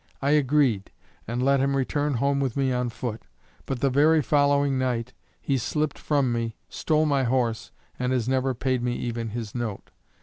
I agreed, and let him return home with me on foot; but the very following night, he slipped from me, stole my horse and has never paid me even his note.